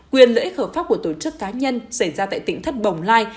quyền lợi ích hợp pháp của tổ chức cá nhân xảy ra tại tỉnh thất bồng lai